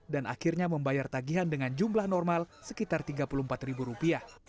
dan akhirnya membayar tagihan dengan jumlah normal sekitar rp tiga puluh empat